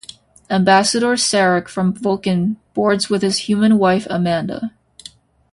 Ambassador Sarek from Vulcan boards with his human wife Amanda.